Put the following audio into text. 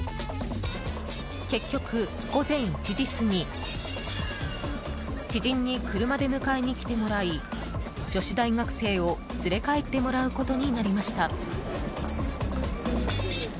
結局、午前１時過ぎ知人に車で迎えに来てもらい女子大学生を連れ帰ってもらうことになりました。